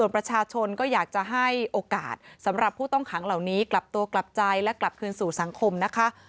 ประชาชนก็อยากจะให้โอกาสสำหรับผู้ต้องขังเหล่านี้กลับตัวกลับใจและกลับคืนสู่สังคมนะคะ